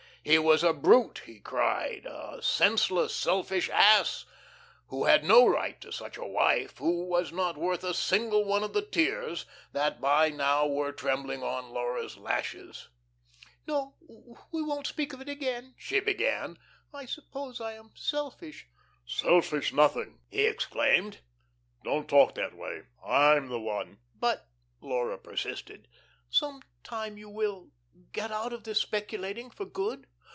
He was a brute, he cried, a senseless, selfish ass, who had no right to such a wife, who was not worth a single one of the tears that by now were trembling on Laura's lashes. "Now we won't speak of it again," she began. "I suppose I am selfish " "Selfish, nothing!" he exclaimed. "Don't talk that way. I'm the one " "But," Laura persisted, "some time you will get out of this speculating for good?